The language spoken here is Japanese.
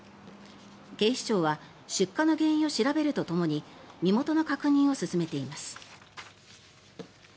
警視庁は出火の原因を調べるとともに身元の確認を進めています。